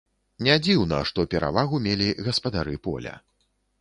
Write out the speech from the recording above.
Не дзіўна, што перавагу мелі гаспадары поля.